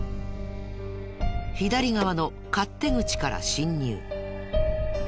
左側の勝手口から侵入。